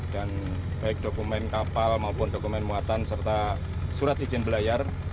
dan baik dokumen kapal maupun dokumen muatan serta surat izin belayar